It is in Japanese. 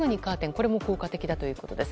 これも効果的だということです。